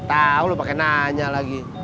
udah tau lo pake nanya lagi